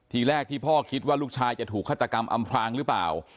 ทีแรกที่พ่อคิดว่าลูกชายจะถูกฆาตกรรมอำพลางหรือเปล่า